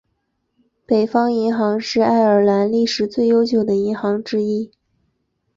北方银行是爱尔兰历史最悠久的银行之一。